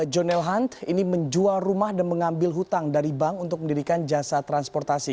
john nel hunt ini menjual rumah dan mengambil hutang dari bank untuk mendirikan jasa transportasi